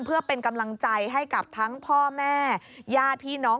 เพื่อเป็นกำลังใจให้กับทั้งพ่อแม่ญาติพี่น้อง